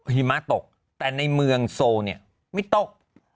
หิมะตกแต่ในเมืองโซเนี่ยไม่ตก